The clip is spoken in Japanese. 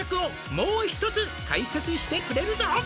「もう一つ解説してくれるぞ」